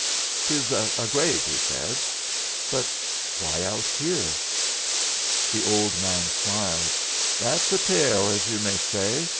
"'Tes a grave," he said. "But why out here?" The old man smiled. "That's a tale, as yu may say.